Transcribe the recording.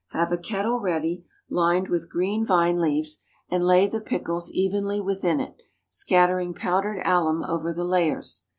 Have a kettle ready, lined with green vine leaves, and lay the pickles evenly within it, scattering powdered alum over the layers.